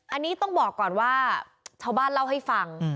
อันนี้ต้องบอกก่อนว่าชาวบ้านเล่าให้ฟัง